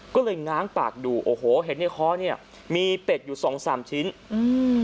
ก็เลยง้างปากดูโอ้โหเห็นในคอเนี้ยมีเป็ดอยู่สองสามชิ้นอืม